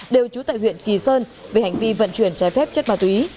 đều trú tại huyện kỳ sơn về hành vi vận chuyển trái phép chất ma túy